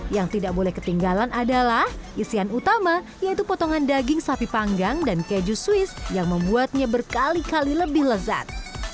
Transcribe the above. yang tidak boleh ketinggalan adalah isian utama yaitu potongan daging sapi panggang dan keju swiss yang membuatnya berkali kali lebih lezat